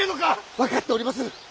分かっておりまする。